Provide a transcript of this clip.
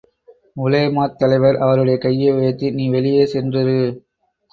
உலேமாத் தலைவர் அவருடைய கையை உயர்த்தி, நீ வெளியே சென்றிரு.